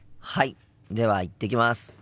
はいでは行ってきます。